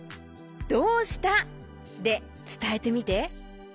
「どうした」でつたえてみて。